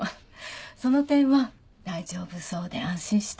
その点は大丈夫そうで安心した。